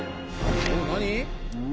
何？